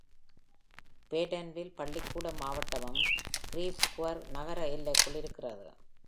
பேட்டன்வில் பள்ளிக்கூட மாவட்டமும் கிரீவ் குவர் நகர எல்லைக்குள் இருக்கிறது.